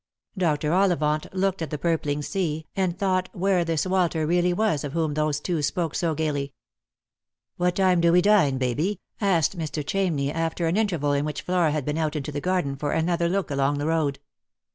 Dr. Ollivant looked at the purpling sea, and thought where this Walter really was of whom those two spoke so gaily. " What time do we dine, Baby ?" asked Mr. Chamney, after an interval in which Flora had been out into the garden for another look along the road.